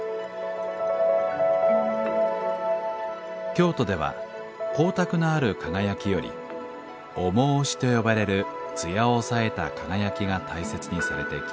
京都では光沢のある輝きより「重押し」と呼ばれる艶を抑えた輝きが大切にされてきました。